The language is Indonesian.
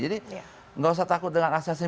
jadi nggak usah takut dengan asasi